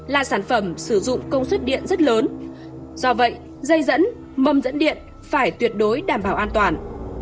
là sản phẩm sử dụng công suất điện rất lớn do vậy dây dẫn mầm dẫn điện phải tuyệt đối đảm bảo an toàn